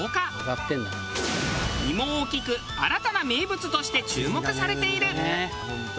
身も大きく新たな名物として注目されている。